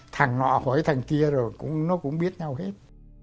thằng họ hỏi thằng kia rồi nó cũng biết nhau hết